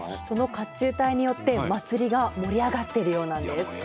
その甲冑隊によって祭りが盛り上がってるようなんです。